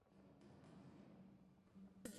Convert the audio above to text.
He also became a Justice of the Peace in that year.